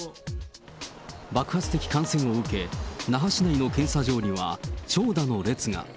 爆発的感染を受け、那覇市内の検査場には、長蛇の列が。